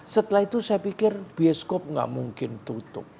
setelah itu saya pikir bioskop nggak mungkin tutup